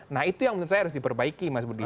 nah itu yang menurut saya harus diperbaiki mas budi